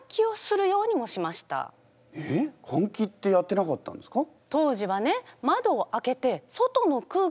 かん気ってやってなかったんですか？